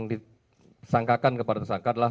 disangkakan kepada tersangka adalah